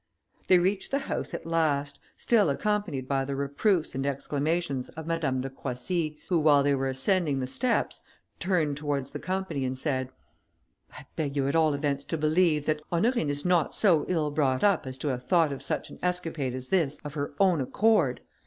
They reached the house at last, still accompanied by the reproofs and exclamations of Madame de Croissy, who while they were ascending the steps, turned towards the company and said, "I beg you at all events to believe, that Honorine is not so ill brought up, as to have thought of such an escapade as this, of her own accord.